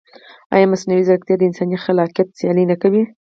ایا مصنوعي ځیرکتیا د انساني خلاقیت سیالي نه کوي؟